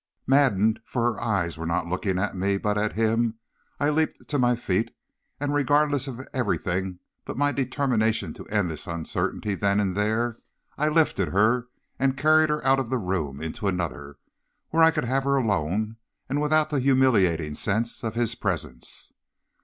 "Maddened, for her eyes were not looking at me, but at him, I leaped to my feet, and, regardless of everything but my determination to end this uncertainty then and there, I lifted her and carried her out of the room into another, where I could have her alone, and without the humiliating sense of his presence.